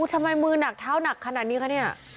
ทำไมมือหนักเท้าหนักขนาดนี้คะเนี่ย